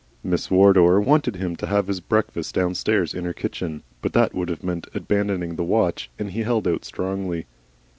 Mrs. Wardor wanted him to have his breakfast downstairs in her kitchen, but that would have meant abandoning the watch, and he held out strongly.